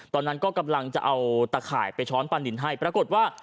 ตอนนั้นก็กำลังจะเอาตะข่ายไปช้อนปั้นดินให้ปรากฏว่า